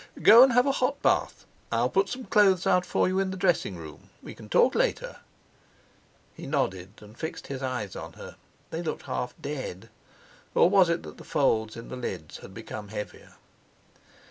"Go and have a hot bath. I'll put some clothes out for you in the dressing room. We can talk later." He nodded, and fixed his eyes on her—they looked half dead, or was it that the folds in the lids had become heavier?